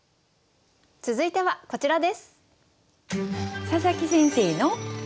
続いてはこちらです。